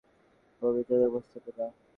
পবিত্রা, উপস্থাপনা।